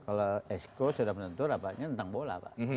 kalau exco sudah tentu rapatnya tentang bola pak